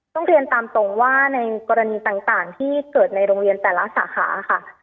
ต้องเรียนตามตรงว่าในกรณีต่างที่เกิดในโรงเรียนแต่ละสาขาค่ะ